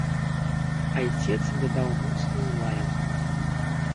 Айцец дадаў моцную лаянку.